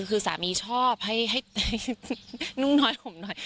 คือสามีชอบให้นุ่งน้อยผมหน่อย